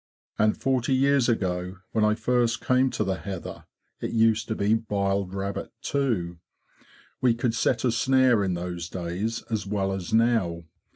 '' And forty years ago, when I first came to the heather, it used to be b'iled rabbit too. We could set a snare in those days as well as now.